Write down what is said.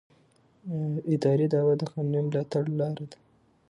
اداري دعوه د قانوني ملاتړ لاره ده.